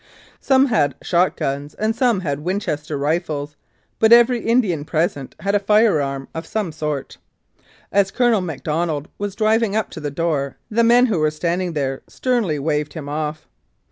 Some had shot guns ard some had Winchester rifles, but every Indian present had a firearm of some sort. As Colonel McDonald was driving up to the door the men who were standing there sternly waved him off.